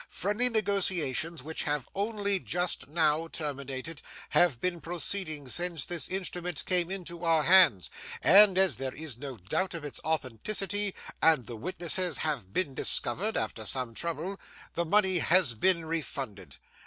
Friendly negotiations, which have only just now terminated, have been proceeding since this instrument came into our hands, and, as there is no doubt of its authenticity, and the witnesses have been discovered (after some trouble), the money has been refunded.